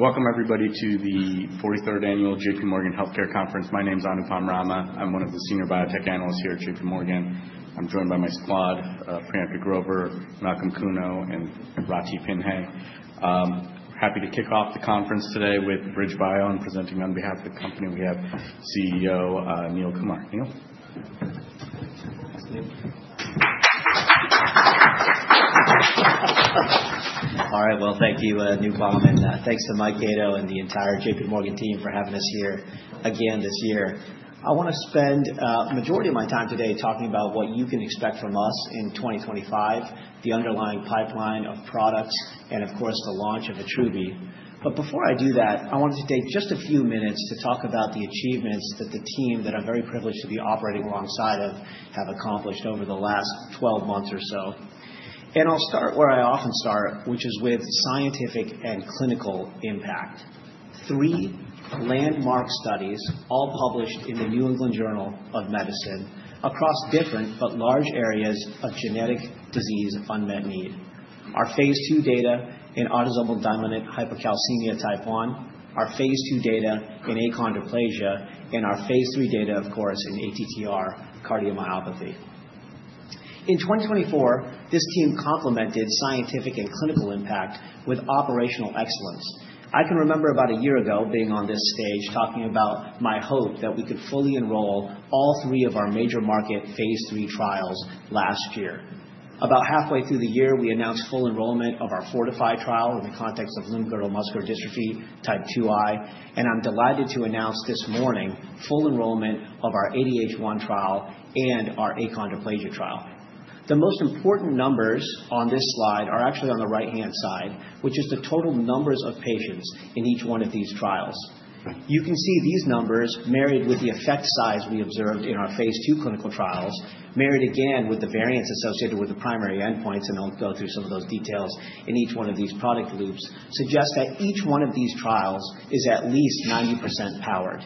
Welcome, everybody, to the 43rd Annual J.P. Morgan Healthcare Conference. My name is Anupam Rama. I'm one of the senior biotech analysts here at J.P. Morgan. I'm joined by my squad: Priyanka Grover, Malcolm Kuno, and Ratih Pinheiro. Happy to kick off the conference today with BridgeBio and presenting on behalf of the company we have CEO Neil Kumar. Neil? All right, well, thank you, Anupam, and thanks to Mike Gatto and the entire J.P. Morgan team for having us here again this year. I want to spend the majority of my time today talking about what you can expect from us in 2025, the underlying pipeline of products, and, of course, the launch of Attruby. But before I do that, I wanted to take just a few minutes to talk about the achievements that the team that I'm very privileged to be operating alongside of have accomplished over the last 12 months or so, and I'll start where I often start, which is with scientific and clinical impact: three landmark studies, all published in the New England Journal of Medicine, across different but large areas of genetic disease unmet need. Our phase II data in autosomal dominant hypocalcemia type 1, our phase II data in achondroplasia, and our phase III data, of course, in ATTR cardiomyopathy. In 2024, this team complemented scientific and clinical impact with operational excellence. I can remember about a year ago being on this stage talking about my hope that we could fully enroll all three of our major market phase III trials last year. About halfway through the year, we announced full enrollment of our Fortify trial in the context of limb-girdle muscular dystrophy type 2I, and I'm delighted to announce this morning full enrollment of our ADH1 trial and our achondroplasia trial. The most important numbers on this slide are actually on the right-hand side, which is the total numbers of patients in each one of these trials. You can see these numbers married with the effect size we observed in our phase II clinical trials, married again with the variance associated with the primary endpoints (and I'll go through some of those details in each one of these product loops) suggest that each one of these trials is at least 90% powered.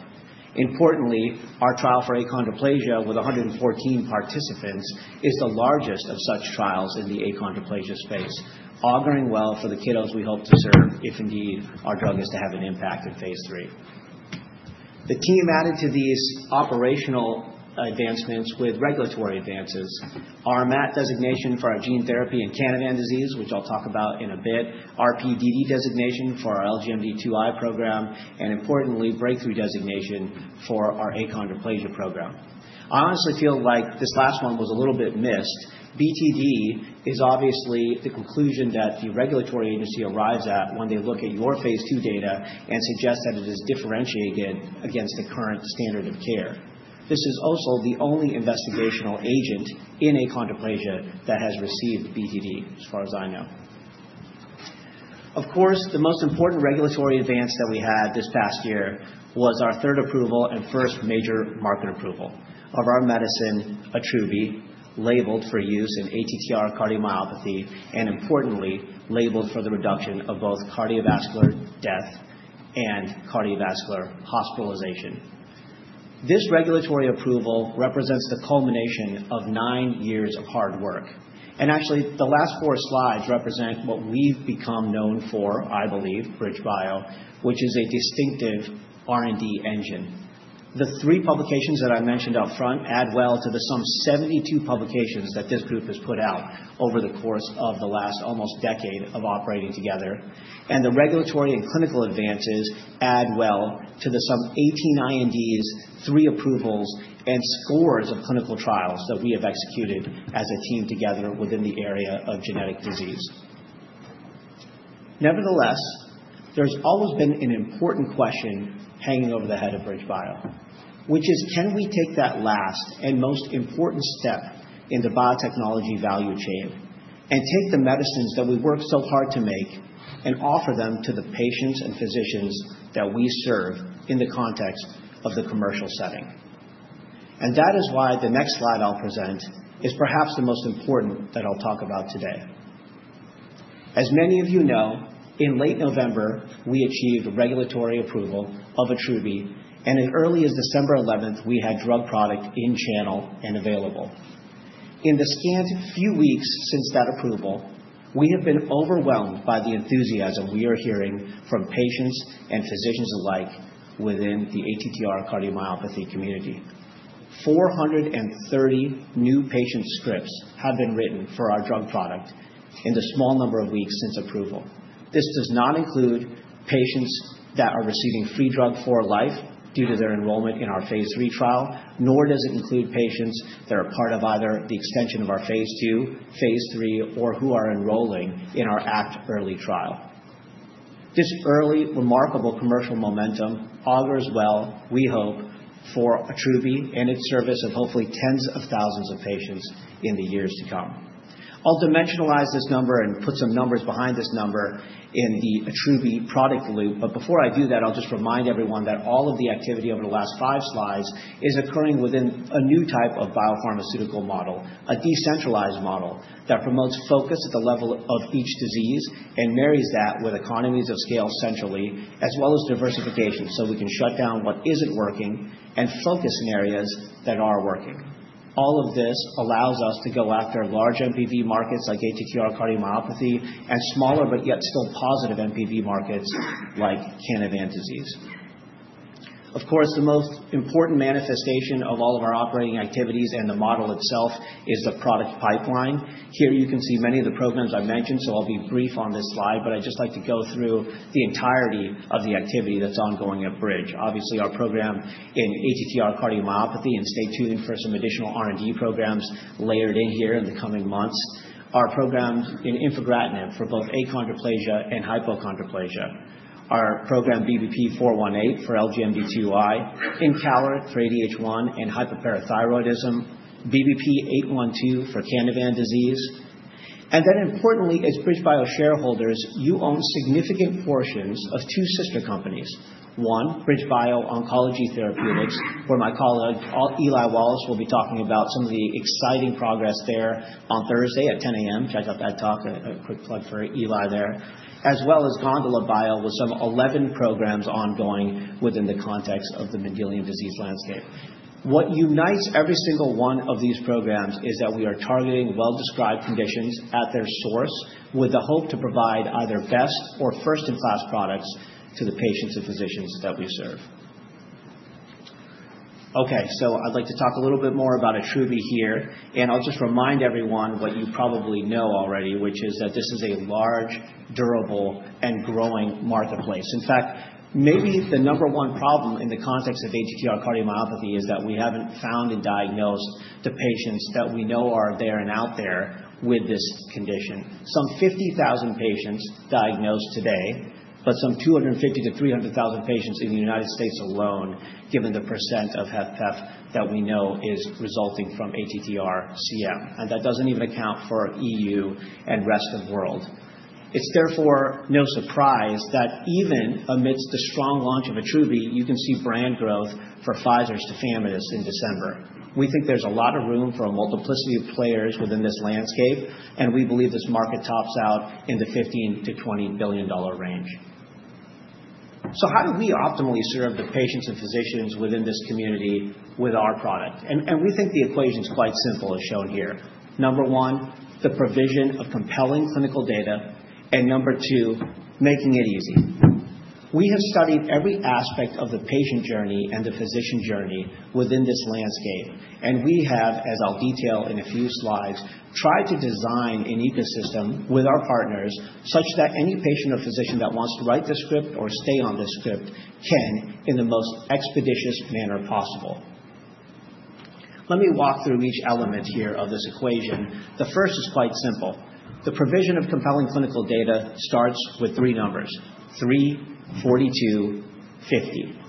Importantly, our trial for achondroplasia with 114 participants is the largest of such trials in the achondroplasia space, auguring well for the kiddos we hope to serve if indeed our drug is to have an impact in phase III. The team added to these operational advancements with regulatory advances: our RMAT designation for our gene therapy in Canavan disease, which I'll talk about in a bit, our PDD designation for our LGMD2I program, and, importantly, breakthrough designation for our achondroplasia program. I honestly feel like this last one was a little bit missed. BTD is obviously the conclusion that the regulatory agency arrives at when they look at your phase II data and suggest that it is differentiated against the current standard of care. This is also the only investigational agent in achondroplasia that has received BTD, as far as I know. Of course, the most important regulatory advance that we had this past year was our third approval and first major market approval of our medicine, Attruby, labeled for use in ATTR cardiomyopathy and, importantly, labeled for the reduction of both cardiovascular death and cardiovascular hospitalization. This regulatory approval represents the culmination of nine years of hard work. And actually, the last four slides represent what we've become known for, I believe, BridgeBio, which is a distinctive R&D engine. The three publications that I mentioned up front add well to the sum of 72 publications that this group has put out over the course of the last almost decade of operating together, and the regulatory and clinical advances add well to the sum of 18 INDs, three approvals, and scores of clinical trials that we have executed as a team together within the area of genetic disease. Nevertheless, there's always been an important question hanging over the head of BridgeBio, which is: can we take that last and most important step in the biotechnology value chain and take the medicines that we work so hard to make and offer them to the patients and physicians that we serve in the context of the commercial setting? And that is why the next slide I'll present is perhaps the most important that I'll talk about today. As many of you know, in late November, we achieved regulatory approval of Attruby, and as early as December 11th, we had drug product in channel and available. In the scant few weeks since that approval, we have been overwhelmed by the enthusiasm we are hearing from patients and physicians alike within the ATTR cardiomyopathy community. 430 new patient scripts have been written for our drug product in the small number of weeks since approval. This does not include patients that are receiving free drug for life due to their enrollment in our phase III trial, nor does it include patients that are part of either the extension of our phase II, phase III, or who are enrolling in our ACT-EARLY trial. This early, remarkable commercial momentum augurs well, we hope, for Attruby and its service of hopefully tens of thousands of patients in the years to come. I'll dimensionalize this number and put some numbers behind this number in the Attruby product launch, but before I do that, I'll just remind everyone that all of the activity over the last five slides is occurring within a new type of biopharmaceutical model, a decentralized model that promotes focus at the level of each disease and marries that with economies of scale centrally, as well as diversification, so we can shut down what isn't working and focus in areas that are working. All of this allows us to go after large NPV markets like ATTR cardiomyopathy and smaller but yet still positive NPV markets like Canavan disease. Of course, the most important manifestation of all of our operating activities and the model itself is the product pipeline. Here you can see many of the programs I mentioned, so I'll be brief on this slide, but I'd just like to go through the entirety of the activity that's ongoing at Bridge. Obviously, our program in ATTR cardiomyopathy, and stay tuned for some additional R&D programs layered in here in the coming months. Our program in infigratinib for both achondroplasia and hypochondroplasia. Our program BBP-418 for LGMD2I.Encaleret for ADH1 and hypoparathyroidism. BBP-812 for Canavan disease. And then, importantly, as BridgeBio shareholders, you own significant portions of two sister companies: one, BridgeBio Oncology Therapeutics, where my colleague Eli Wallace will be talking about some of the exciting progress there on Thursday at 10:00 A.M. Check out that talk, a quick plug for Eli there, as well as GondolaBio with some 11 programs ongoing within the context of the Mendelian disease landscape. What unites every single one of these programs is that we are targeting well-described conditions at their source with the hope to provide either best or first-in-class products to the patients and physicians that we serve. Okay, so I'd like to talk a little bit more about ATTR here, and I'll just remind everyone what you probably know already, which is that this is a large, durable, and growing marketplace. In fact, maybe the number one problem in the context of ATTR cardiomyopathy is that we haven't found and diagnosed the patients that we know are there and out there with this condition. Some 50,000 patients diagnosed today, but some 250,000-300,000 patients in the United States alone, given the percent of HFpEF that we know is resulting from ATTR-CM. And that doesn't even account for EU and rest of the world. It's therefore no surprise that even amidst the strong launch of Attruby, you can see brand growth for Pfizer's tafamidis in December. We think there's a lot of room for a multiplicity of players within this landscape, and we believe this market tops out in the $15-$20 billion range. So how do we optimally serve the patients and physicians within this community with our product? And we think the equation is quite simple, as shown here. Number one, the provision of compelling clinical data, and number two, making it easy. We have studied every aspect of the patient journey and the physician journey within this landscape, and we have, as I'll detail in a few slides, tried to design an ecosystem with our partners such that any patient or physician that wants to write this script or stay on this script can in the most expeditious manner possible. Let me walk through each element here of this equation. The first is quite simple. The provision of compelling clinical data starts with three numbers: 3, 42, 50.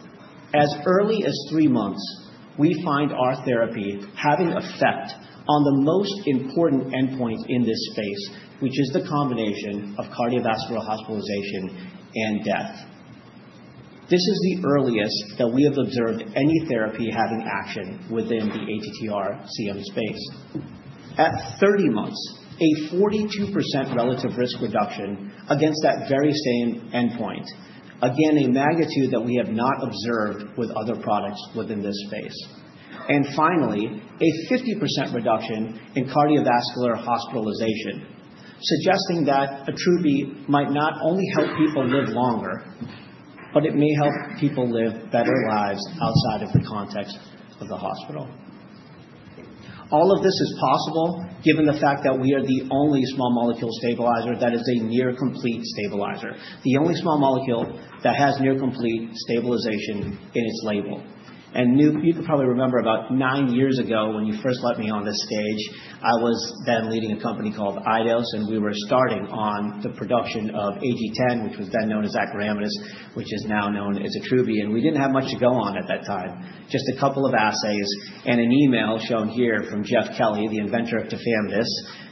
As early as three months, we find our therapy having effect on the most important endpoint in this space, which is the combination of cardiovascular hospitalization and death. This is the earliest that we have observed any therapy having action within the ATTR-CM space. At 30 months, a 42% relative risk reduction against that very same endpoint, again, a magnitude that we have not observed with other products within this space. And finally, a 50% reduction in cardiovascular hospitalization, suggesting that Attruby might not only help people live longer, but it may help people live better lives outside of the context of the hospital. All of this is possible given the fact that we are the only small molecule stabilizer that is a near-complete stabilizer, the only small molecule that has near-complete stabilization in its label. And you could probably remember about nine years ago when you first let me on this stage, I was then leading a company called Eidos, and we were starting on the production of AG10, which was then known as acaramidis, which is now known as Attruby. And we didn't have much to go on at that time, just a couple of assays and an email shown here from Jeffery Kelly, the inventor of tafamidis,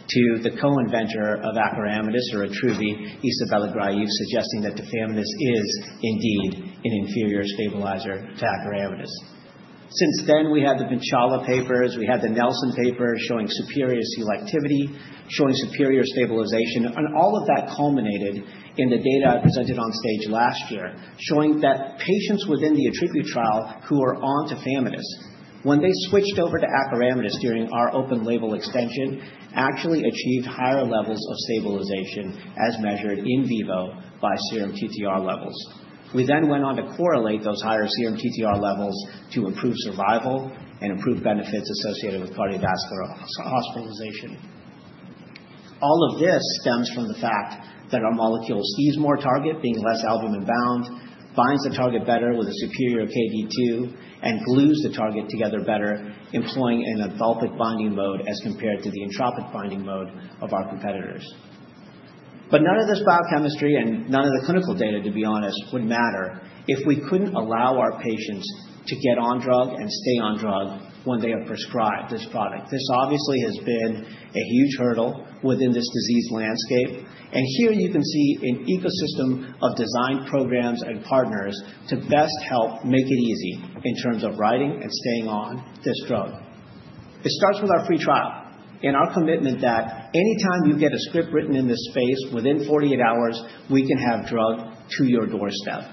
to the co-inventor of acaramidis, or Attruby, Isabella Graef, suggesting that tafamidis is indeed an inferior stabilizer to acaramidis. Since then, we had the Bencheikh papers, we had the Nelson papers showing superior selectivity, showing superior stabilization, and all of that culminated in the data I presented on stage last year, showing that patients within the ATTRibute trial who are on tafamidis, when they switched over to acaramidis during our open label extension, actually achieved higher levels of stabilization as measured in vivo by serum TTR levels. We then went on to correlate those higher serum TTR levels to improve survival and improve benefits associated with cardiovascular hospitalization. All of this stems from the fact that our molecule sees more target, being less albumin-bound, binds the target better with a superior Kd2, and glues the target together better, employing an enthalpic binding mode as compared to the entropic binding mode of our competitors. But none of this biochemistry and none of the clinical data, to be honest, would matter if we couldn't allow our patients to get on drug and stay on drug when they are prescribed this product. This obviously has been a huge hurdle within this disease landscape, and here you can see an ecosystem of distribution programs and partners to best help make it easy in terms of getting and staying on this drug. It starts with our free trial and our commitment that anytime you get a script written in this space, within 48 hours, we can have drug to your doorstep.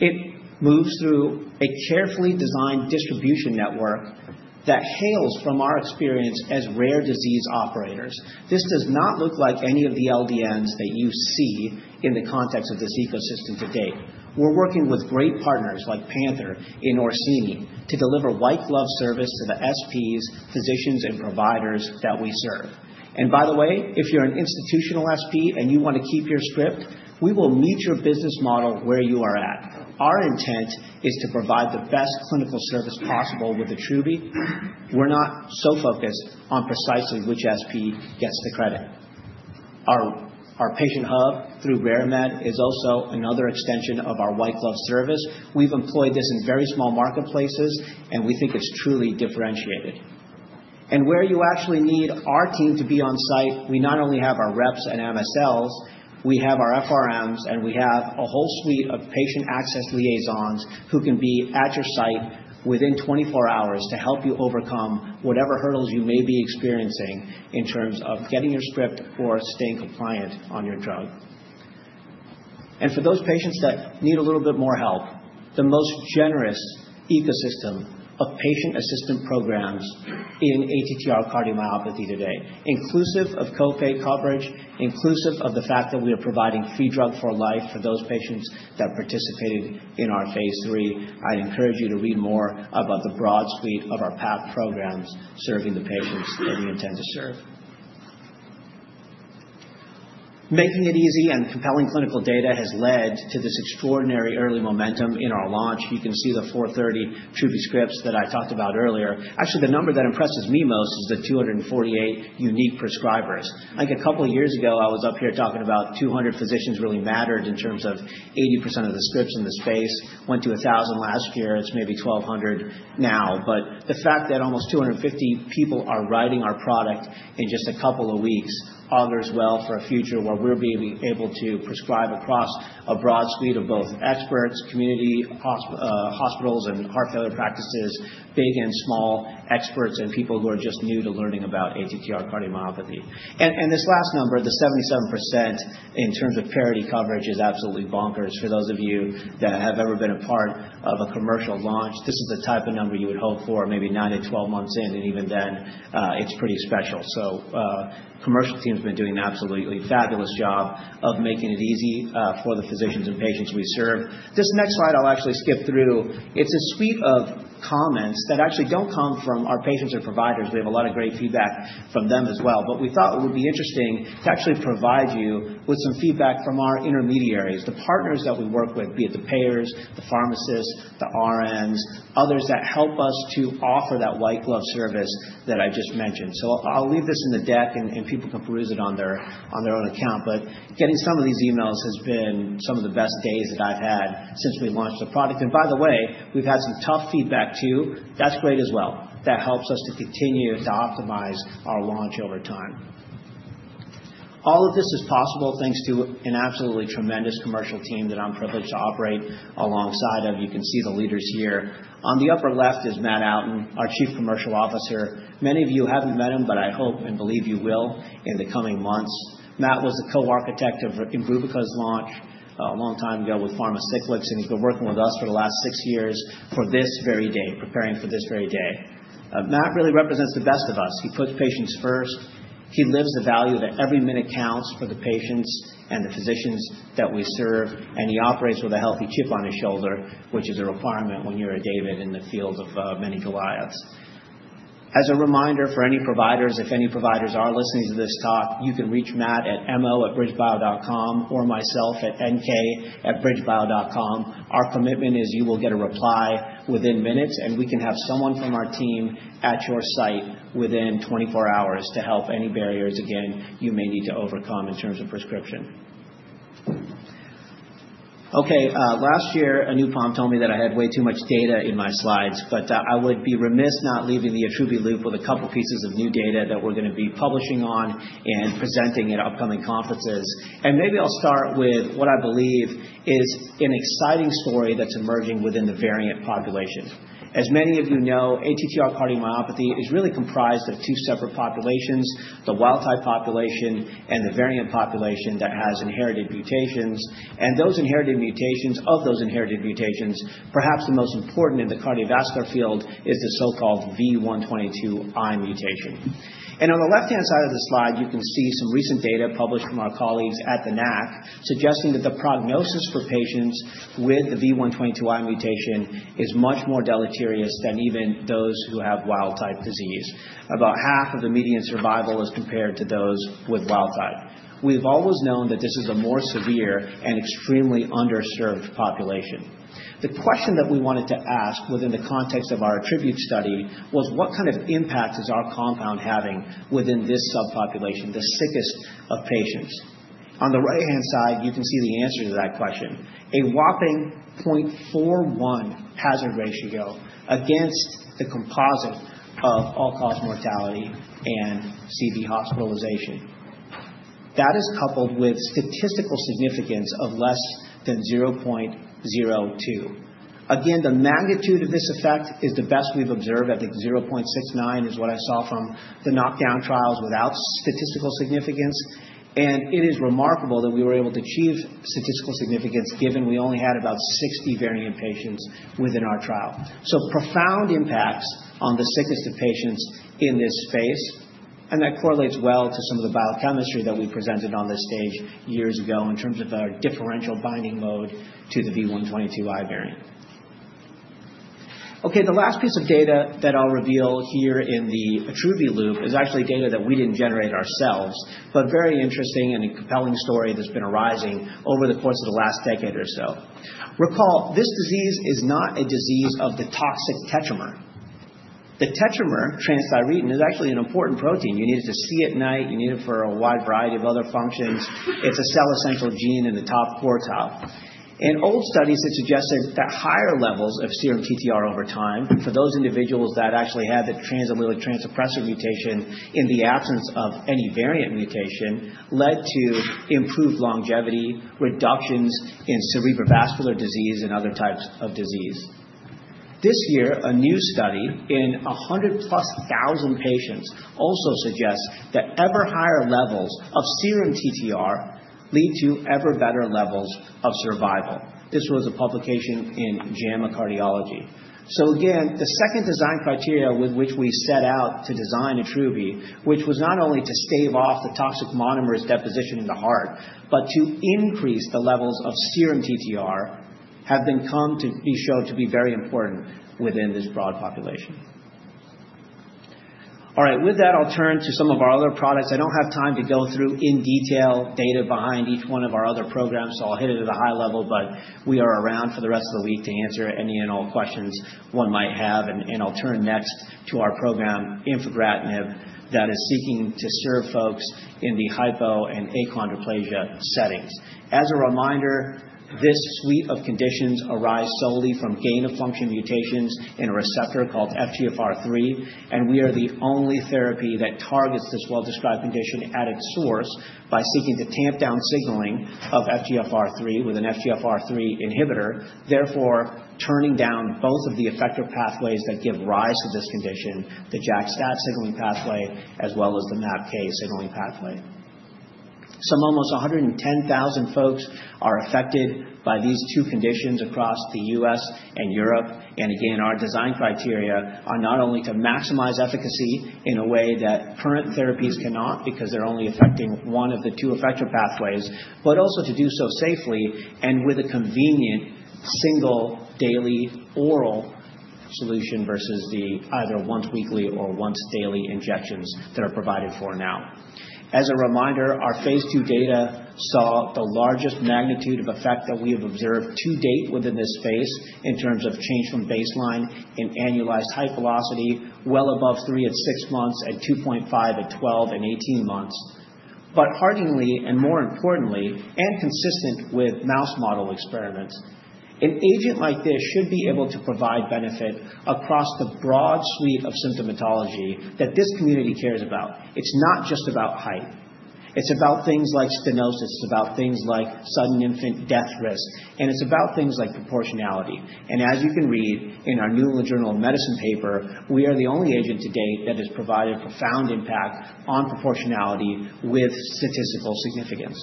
It moves through a carefully designed distribution network that hails from our experience as rare disease operators. This does not look like any of the LDNs that you see in the context of this ecosystem today. We're working with great partners like PANTHERx and Orsini to deliver white-glove service to the SPs, physicians, and providers that we serve. And by the way, if you're an institutional SP and you want to keep your script, we will meet your business model where you are at. Our intent is to provide the best clinical service possible with a true B2B. We're not so focused on precisely which SP gets the credit. Our patient hub through RareMed is also another extension of our white-glove service. We've employed this in very small marketplaces, and we think it's truly differentiated. Where you actually need our team to be on site, we not only have our reps and MSLs, we have our FRMs, and we have a whole suite of patient access liaisons who can be at your site within 24 hours to help you overcome whatever hurdles you may be experiencing in terms of getting your script or staying compliant on your drug. For those patients that need a little bit more help, the most generous ecosystem of patient assistance programs in ATTR cardiomyopathy today, inclusive of copay coverage, inclusive of the fact that we are providing free drug for life for those patients that participated in our phase III. I'd encourage you to read more about the broad suite of our PAC programs serving the patients that we intend to serve. Making it easy and compelling clinical data has led to this extraordinary early momentum in our launch. You can see the 430 Attruby scripts that I talked about earlier. Actually, the number that impresses me most is the 248 unique prescribers. Like a couple of years ago, I was up here talking about 200 physicians really mattered in terms of 80% of the scripts in the space. Went to 1,000 last year. It's maybe 1,200 now, but the fact that almost 250 people are writing our product in just a couple of weeks augurs well for a future where we're being able to prescribe across a broad suite of both experts, community hospitals and heart failure practices, big and small experts, and people who are just new to learning about ATTR cardiomyopathy. This last number, the 77% in terms of parity coverage, is absolutely bonkers for those of you that have ever been a part of a commercial launch. This is the type of number you would hope for, maybe nine to 12 months in, and even then, it's pretty special. The commercial team has been doing an absolutely fabulous job of making it easy for the physicians and patients we serve. This next slide I'll actually skip through. It's a suite of comments that actually don't come from our patients or providers. We have a lot of great feedback from them as well, but we thought it would be interesting to actually provide you with some feedback from our intermediaries, the partners that we work with, be it the payers, the pharmacists, the RNs, others that help us to offer that white-glove service that I just mentioned. I'll leave this in the deck, and people can peruse it on their own account, but getting some of these emails has been some of the best days that I've had since we launched the product. By the way, we've had some tough feedback too. That's great as well. That helps us to continue to optimize our launch over time. All of this is possible thanks to an absolutely tremendous commercial team that I'm privileged to operate alongside of. You can see the leaders here. On the upper left is Matt Outten, our Chief Commercial Officer. Many of you haven't met him, but I hope and believe you will in the coming months. Matt was the co-architect of Imbruvica's launch a long time ago with Pharmacyclics, and he's been working with us for the last six years for this very day, preparing for this very day. Matt really represents the best of us. He puts patients first. He lives the value that every minute counts for the patients and the physicians that we serve, and he operates with a healthy chip on his shoulder, which is a requirement when you're a David in the field of many Goliaths. As a reminder for any providers, if any providers are listening to this talk, you can reach Matt at mo@bridgebio.com or myself at nk@bridgebio.com. Our commitment is you will get a reply within minutes, and we can have someone from our team at your site within 24 hours to help any barriers, again, you may need to overcome in terms of prescription. Okay, last year, a new boss told me that I had way too much data in my slides, but I would be remiss not leaving the ATTRibute loop with a couple of pieces of new data that we're going to be publishing on and presenting at upcoming conferences. And maybe I'll start with what I believe is an exciting story that's emerging within the variant population. As many of you know, ATTR cardiomyopathy is really comprised of two separate populations: the wild-type population and the variant population that has inherited mutations. And those inherited mutations, perhaps the most important in the cardiovascular field, is the so-called V122I mutation. On the left-hand side of the slide, you can see some recent data published from our colleagues at the NAC, suggesting that the prognosis for patients with the V122I mutation is much more deleterious than even those who have wild-type disease. About half of the median survival is compared to those with wild-type. We've always known that this is a more severe and extremely underserved population. The question that we wanted to ask within the context of our ATTRibute study was, what kind of impact is our compound having within this subpopulation, the sickest of patients? On the right-hand side, you can see the answer to that question: a whopping 0.41 hazard ratio against the composite of all-cause mortality and CV hospitalization. That is coupled with statistical significance of less than 0.02. Again, the magnitude of this effect is the best we've observed. I think 0.69 is what I saw from the knockdown trials without statistical significance, and it is remarkable that we were able to achieve statistical significance given we only had about 60 variant patients within our trial, so profound impacts on the sickest of patients in this space, and that correlates well to some of the biochemistry that we presented on this stage years ago in terms of our differential binding mode to the V122I variant. Okay, the last piece of data that I'll reveal here in the ATTRibute loop is actually data that we didn't generate ourselves, but very interesting and a compelling story that's been arising over the course of the last decade or so. Recall, this disease is not a disease of the toxic tetramer. The tetramer, transthyretin, is actually an important protein. You need it to see at night. You need it for a wide variety of other functions. It's a cell essential gene in the top quartile. In old studies, it suggested that higher levels of serum TTR over time for those individuals that actually had the trans-allelic trans-suppressor mutation in the absence of any variant mutation led to improved longevity, reductions in cerebrovascular disease and other types of disease. This year, a new study in 100-plus thousand patients also suggests that ever higher levels of serum TTR lead to ever better levels of survival. This was a publication in JAMA Cardiology. So again, the second design criteria with which we set out to design ATTRibute, which was not only to stave off the toxic monomers deposition in the heart, but to increase the levels of serum TTR, have come to be shown to be very important within this broad population. All right, with that, I'll turn to some of our other products. I don't have time to go through in detail data behind each one of our other programs, so I'll hit it at a high level, but we are around for the rest of the week to answer any and all questions one might have, and I'll turn next to our program, infigratinib, that is seeking to serve folks in the hypo and achondroplasia settings. As a reminder, this suite of conditions arise solely from gain-of-function mutations in a receptor called FGFR3, and we are the only therapy that targets this well-described condition at its source by seeking to tamp down signaling of FGFR3 with an FGFR3 inhibitor, therefore turning down both of the effector pathways that give rise to this condition, the JAK-STAT signaling pathway as well as the MAPK signaling pathway. Some almost 110,000 folks are affected by these two conditions across the U.S. and Europe, and again, our design criteria are not only to maximize efficacy in a way that current therapies cannot because they're only affecting one of the two effector pathways, but also to do so safely and with a convenient single daily oral solution versus the either once weekly or once daily injections that are provided for now. As a reminder, our phase II data saw the largest magnitude of effect that we have observed to date within this space in terms of change from baseline in annualized height velocity, well above three at 6 months and 2.5 at 12 and 18 months, but hearteningly and more importantly, and consistent with mouse model experiments, an agent like this should be able to provide benefit across the broad suite of symptomatology that this community cares about. It's not just about height. It's about things like stenosis. It's about things like sudden infant death risk, and it's about things like proportionality, and as you can read in our New England Journal of Medicine paper, we are the only agent to date that has provided profound impact on proportionality with statistical significance.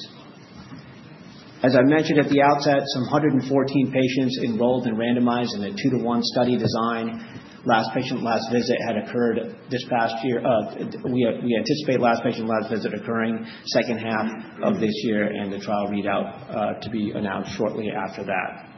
As I mentioned at the outset, some 114 patients enrolled and randomized in a two-to-one study design. Last patient last visit had occurred this past year. We anticipate last patient last visit occurring second half of this year, and the trial readout to be announced shortly after that.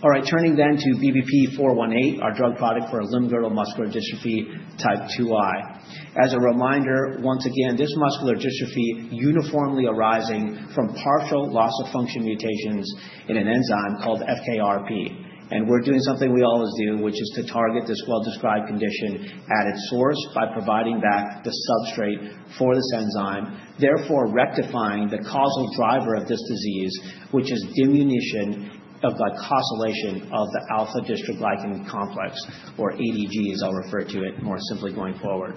All right, turning then to BBP-418, our drug product for limb-girdle muscular dystrophy type 2I. As a reminder, once again, this muscular dystrophy uniformly arising from partial loss of function mutations in an enzyme called FKRP, and we're doing something we always do, which is to target this well-described condition at its source by providing back the substrate for this enzyme, therefore rectifying the causal driver of this disease, which is diminution of glycosylation of the alpha-dystroglycan complex, or ADG, as I'll refer to it more simply going forward.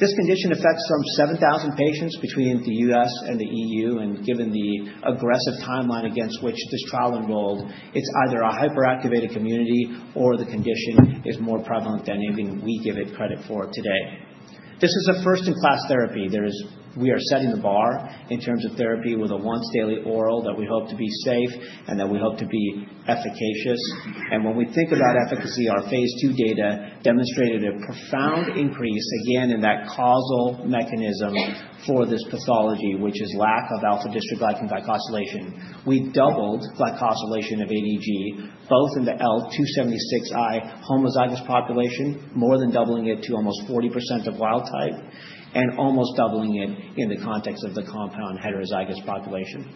This condition affects some 7,000 patients between the U.S. and the EU, and given the aggressive timeline against which this trial enrolled, it's either a hyperactivated community or the condition is more prevalent than even we give it credit for today. This is a first-in-class therapy. We are setting the bar in terms of therapy with a once daily oral that we hope to be safe and that we hope to be efficacious. When we think about efficacy, our phase II data demonstrated a profound increase, again, in that causal mechanism for this pathology, which is lack of alpha-dystroglycan glycosylation. We doubled glycosylation of ADG, both in the L276I homozygous population, more than doubling it to almost 40% of wild-type, and almost doubling it in the context of the compound heterozygous population.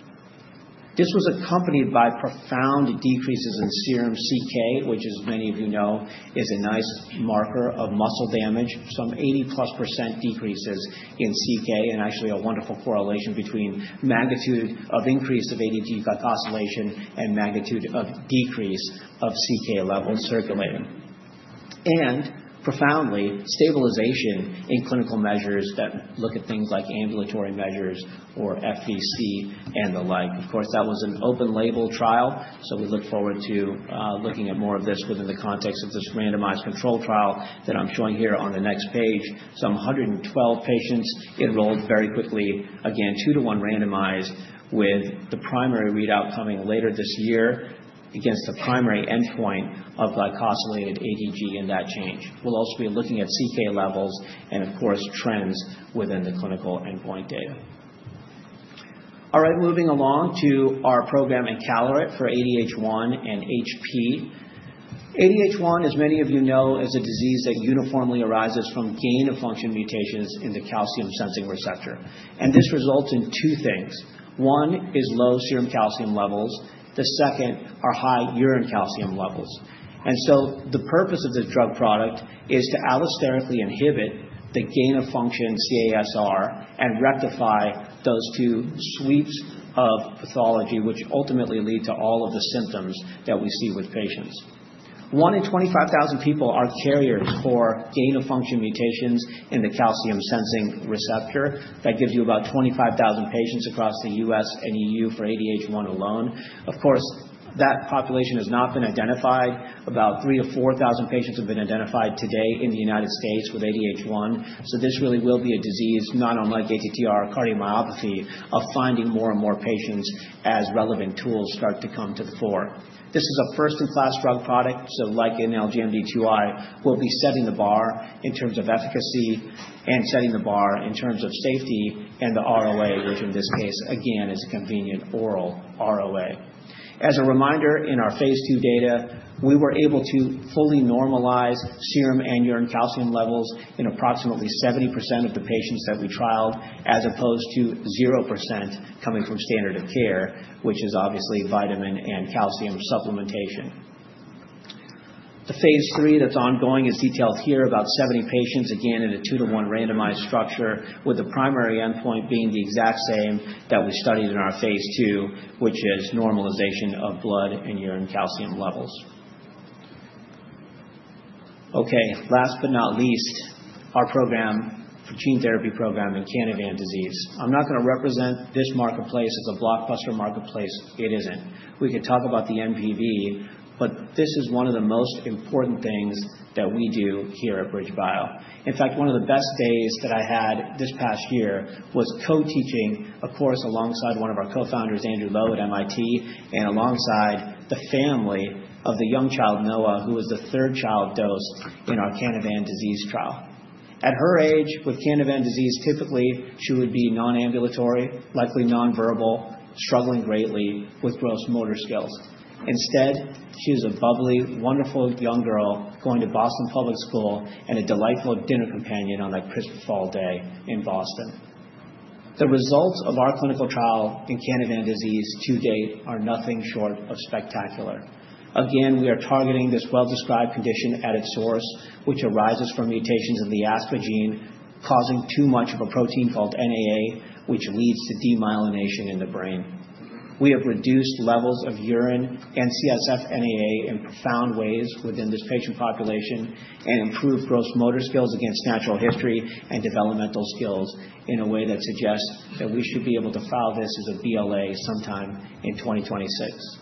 This was accompanied by profound decreases in serum CK, which, as many of you know, is a nice marker of muscle damage. Some 80-plus% decreases in CK, and actually a wonderful correlation between magnitude of increase of ADG glycosylation and magnitude of decrease of CK levels circulating. Profoundly, stabilization in clinical measures that look at things like ambulatory measures or FVC and the like. Of course, that was an open-label trial, so we look forward to looking at more of this within the context of this randomized control trial that I'm showing here on the next page. So, 112 patients enrolled very quickly, again, two-to-one randomized with the primary readout coming later this year against the primary endpoint of glycosylated ADG and that change. We'll also be looking at CK levels and, of course, trends within the clinical endpoint data. All right, moving along to our program in encaleret for ADH1 and HP. ADH1, as many of you know, is a disease that uniformly arises from gain-of-function mutations in the calcium-sensing receptor, and this results in two things. One is low serum calcium levels. The second are high urine calcium levels. And so the purpose of this drug product is to allosterically inhibit the gain-of-function CASR and rectify those two sweeps of pathology, which ultimately lead to all of the symptoms that we see with patients. One in 25,000 people are carriers for gain-of-function mutations in the calcium sensing receptor. That gives you about 25,000 patients across the U.S. and EU for ADH1 alone. Of course, that population has not been identified. About 3,000-4,000 patients have been identified today in the United States with ADH1, so this really will be a disease, not unlike ATTR cardiomyopathy, of finding more and more patients as relevant tools start to come to the fore. This is a first-in-class drug product, so like LGMD2I, we'll be setting the bar in terms of efficacy and setting the bar in terms of safety and the ROA, which in this case, again, is a convenient oral ROA. As a reminder, in our phase II data, we were able to fully normalize serum and urine calcium levels in approximately 70% of the patients that we trialed, as opposed to 0% coming from standard of care, which is obviously vitamin and calcium supplementation. The phase III that's ongoing is detailed here, about 70 patients, again, in a two-to-one randomized structure, with the primary endpoint being the exact same that we studied in our phase II, which is normalization of blood and urine calcium levels. Okay, last but not least, our program, the gene therapy program in Canavan disease. I'm not going to represent this marketplace as a blockbuster marketplace. It isn't. We could talk about the MPV, but this is one of the most important things that we do here at BridgeBio. In fact, one of the best days that I had this past year was co-teaching a course alongside one of our co-founders, Andrew Lo, at MIT, and alongside the family of the young child, Noah, who was the third child dosed in our Canavan disease trial. At her age, with Canavan disease, typically she would be non-ambulatory, likely non-verbal, struggling greatly with gross motor skills. Instead, she is a bubbly, wonderful young girl going to Boston Public School and a delightful dinner companion on that crisp fall day in Boston. The results of our clinical trial in Canavan disease to date are nothing short of spectacular. Again, we are targeting this well-described condition at its source, which arises from mutations in the ASPA gene, causing too much of a protein called NAA, which leads to demyelination in the brain. We have reduced levels of urine and CSF NAA in profound ways within this patient population and improved gross motor skills against natural history and developmental skills in a way that suggests that we should be able to file this as a BLA sometime in 2026.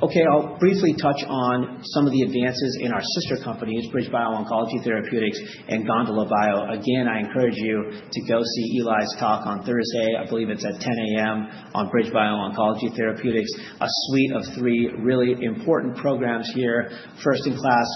Okay, I'll briefly touch on some of the advances in our sister companies, BridgeBio Oncology Therapeutics and GondolaBio. Again, I encourage you to go see Eli's talk on Thursday. I believe it's at 10:00 A.M. on BridgeBio Oncology Therapeutics, a suite of three really important programs here. First-in-class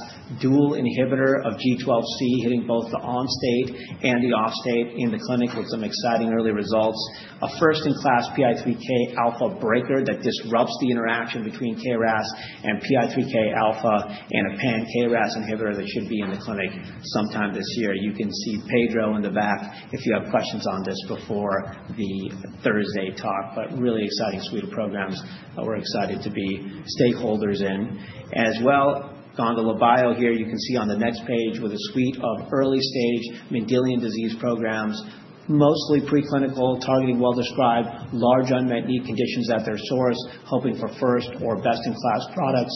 dual inhibitor of G12C hitting both the on-state and the off-state in the clinic with some exciting early results. A first-in-class PI3K alpha breaker that disrupts the interaction between KRAS and PI3K alpha and a pan-KRAS inhibitor that should be in the clinic sometime this year. You can see Pedro in the back if you have questions on this before the Thursday talk, but really exciting suite of programs that we're excited to be stakeholders in. As well, GondolaBio here, you can see on the next page with a suite of early-stage Mendelian disease programs, mostly preclinical, targeting well-described large unmet need conditions at their source, hoping for first or best-in-class products.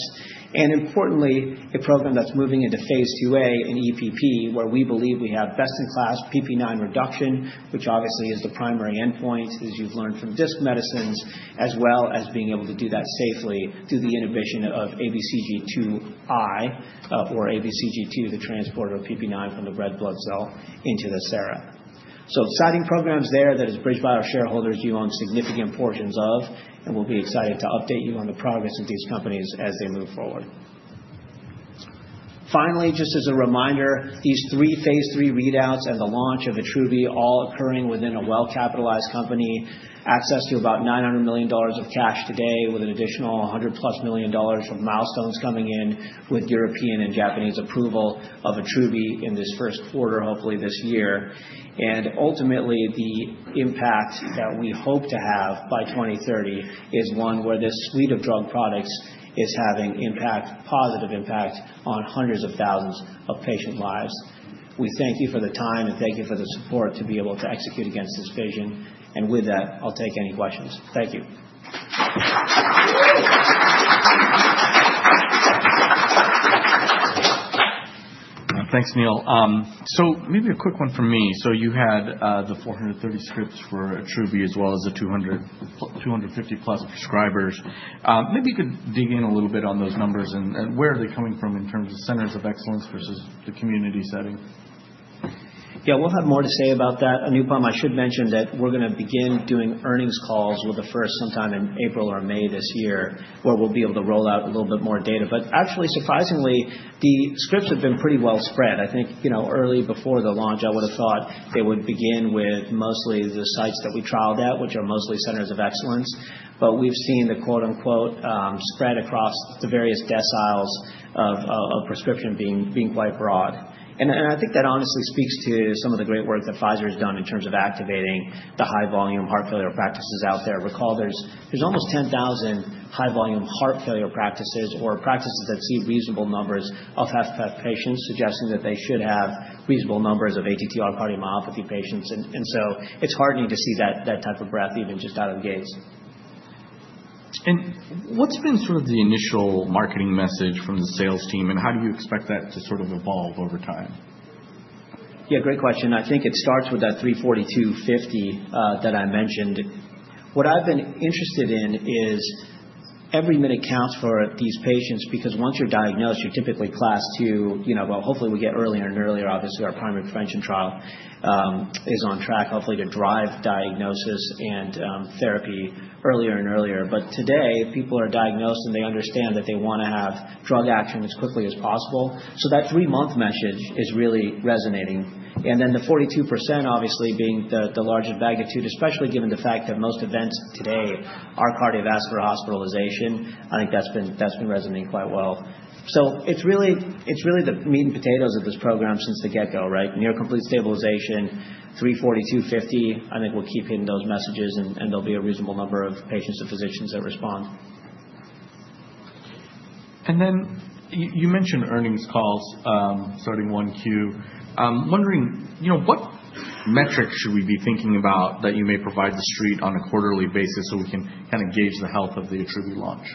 Importantly, a program that's moving into phase IIA in EPP, where we believe we have best-in-class PPIX reduction, which obviously is the primary endpoint, as you've learned from Disc Medicine, as well as being able to do that safely through the inhibition of ABCG2, the transporter of PPIX from the red blood cell into the serum. Exciting programs there that, as BridgeBio shareholders, you own significant portions of, and we'll be excited to update you on the progress of these companies as they move forward. Finally, just as a reminder, these three phase III readouts and the launch of Attruby, all occurring within a well-capitalized company, access to about $900 million of cash today, with an additional 100-plus million dollars of milestones coming in with European and Japanese approval of Attruby in this first quarter, hopefully this year. Ultimately, the impact that we hope to have by 2030 is one where this suite of drug products is having positive impact on hundreds of thousands of patient lives. We thank you for the time, and thank you for the support to be able to execute against this vision. With that, I'll take any questions. Thank you. Thanks, Neil. Maybe a quick one from me. You had the 430 scripts for Attruby as well as the 250-plus prescribers. Maybe you could dig in a little bit on those numbers and where are they coming from in terms of centers of excellence versus the community setting? Yeah, we'll have more to say about that. A new problem, I should mention that we're going to begin doing earnings calls with the first sometime in April or May this year, where we'll be able to roll out a little bit more data. But actually, surprisingly, the scripts have been pretty well spread. I think early before the launch, I would have thought they would begin with mostly the sites that we trialed at, which are mostly centers of excellence, but we've seen the "spread across the various deciles of prescription being quite broad." I think that honestly speaks to some of the great work that Pfizer has done in terms of activating the high-volume heart failure practices out there. Recall, there's almost 10,000 high-volume heart failure practices or practices that see reasonable numbers of HFpEF patients, suggesting that they should have reasonable numbers of ATTR cardiomyopathy patients. It's heartening to see that type of breadth even just out of the gates. What's been sort of the initial marketing message from the sales team, and how do you expect that to sort of evolve over time? Yeah, great question. I think it starts with that $342.50 that I mentioned. What I've been interested in is every minute counts for these patients because once you're diagnosed, you're typically class II, but hopefully we get earlier and earlier. Obviously, our primary prevention trial is on track, hopefully to drive diagnosis and therapy earlier and earlier. But today, people are diagnosed, and they understand that they want to have drug action as quickly as possible. So that three-month message is really resonating. Then the 42%, obviously being the largest magnitude, especially given the fact that most events today are cardiovascular hospitalization, I think that's been resonating quite well. So it's really the meat and potatoes of this program since the get-go, right? Near complete stabilization, 342.50, I think we'll keep hitting those messages, and there'll be a reasonable number of patients and physicians that respond. And then you mentioned earnings calls starting 1Q. I'm wondering, what metrics should we be thinking about that you may provide the street on a quarterly basis so we can kind of gauge the health of the ATTRibute launch?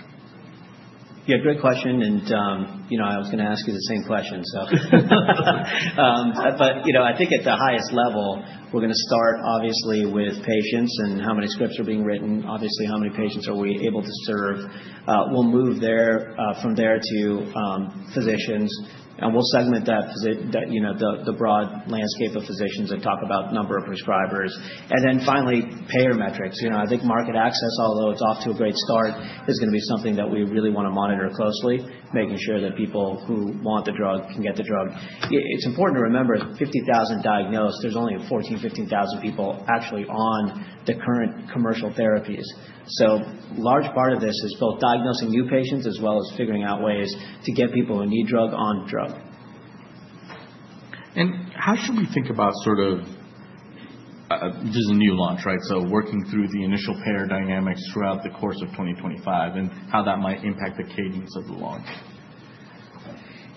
Yeah, great question. And I was going to ask you the same question, so. But I think at the highest level, we're going to start, obviously, with patients and how many scripts are being written, obviously, how many patients are we able to serve. We'll move from there to physicians, and we'll segment the broad landscape of physicians and talk about number of prescribers. And then finally, payer metrics. I think market access, although it's off to a great start, is going to be something that we really want to monitor closely, making sure that people who want the drug can get the drug. It's important to remember, 50,000 diagnosed, there's only 14,000-15,000 people actually on the current commercial therapies. So a large part of this is both diagnosing new patients as well as figuring out ways to get people who need drug on drug. And how should we think about sort of this is a new launch, right? So working through the initial payer dynamics throughout the course of 2025 and how that might impact the cadence of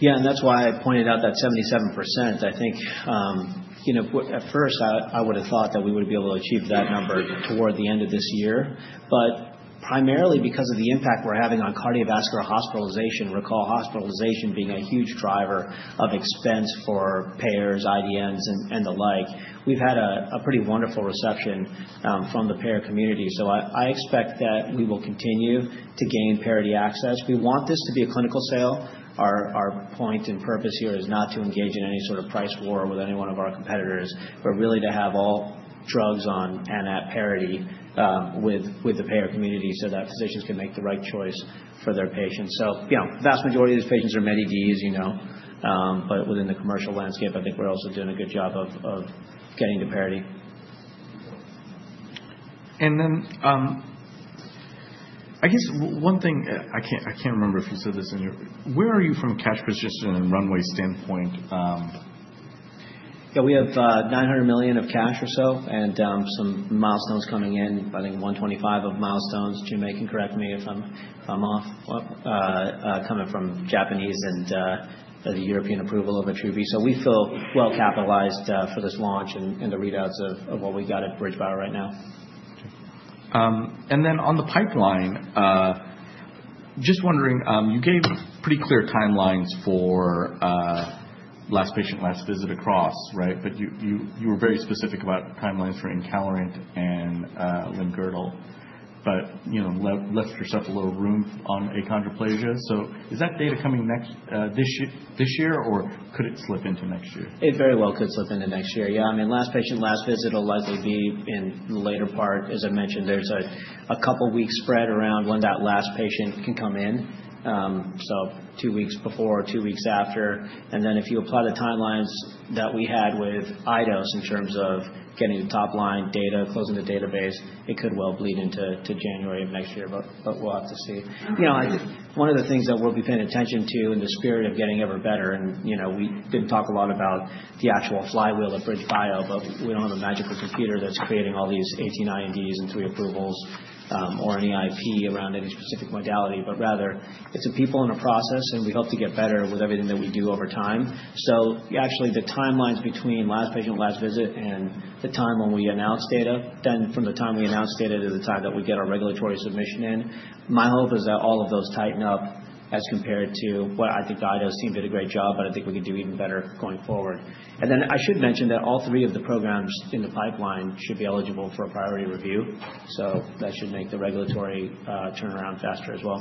the launch. Yeah, and that's why I pointed out that 77%. I think at first, I would have thought that we would be able to achieve that number toward the end of this year, but primarily because of the impact we're having on cardiovascular hospitalization, recall hospitalization being a huge driver of expense for payers, IDNs, and the like, we've had a pretty wonderful reception from the payer community. So I expect that we will continue to gain parity access. We want this to be a clinical sale. Our point and purpose here is not to engage in any sort of price war with any one of our competitors, but really to have all drugs on and at parity with the payer community so that physicians can make the right choice for their patients. So the vast majority of these patients are Medicare, but within the commercial landscape, I think we're also doing a good job of getting to parity. And then I guess one thing I can't remember if you said this in your where are you from a cash position and runway standpoint? Yeah, we have $900 million of cash or so and some milestones coming in, I think $125 million of milestones. Chinmay, can correct me if I'm off, coming from Japanese and the European approval of ATTRibute. So we feel well-capitalized for this launch and the readouts of what we got at BridgeBio right now. And then on the pipeline, just wondering, you gave pretty clear timelines for last patient, last visit across, right? But you were very specific about timelines for encaleret and limb-girdle, but left yourself a little room on achondroplasia. So is that data coming next this year, or could it slip into next year? It very well could slip into next year. Yeah, I mean, last patient, last visit will likely be in the later part. As I mentioned, there's a couple of weeks spread around when that last patient can come in, so two weeks before, two weeks after. And then if you apply the timelines that we had with Eidos in terms of getting top-line data, closing the database, it could well bleed into January of next year, but we'll have to see. I think one of the things that we'll be paying attention to in the spirit of getting ever better, and we didn't talk a lot about the actual flywheel of BridgeBio, but we don't have a magical computer that's creating all these 18 INDs and three approvals or an EIP around any specific modality, but rather it's a people and a process, and we hope to get better with everything that we do over time. So actually, the timelines between last patient, last visit, and the time when we announce data, then from the time we announce data to the time that we get our regulatory submission in, my hope is that all of those tighten up as compared to what I think Eidos seemed to do a great job, but I think we could do even better going forward. And then I should mention that all three of the programs in the pipeline should be eligible for a priority review, so that should make the regulatory turnaround faster as well.